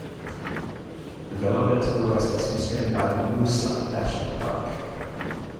Development to the west is constrained by Noosa National Park.